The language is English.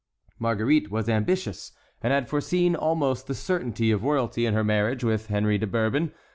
Marguerite was ambitious, and had foreseen almost the certainty of royalty in her marriage with Henry de Bourbon.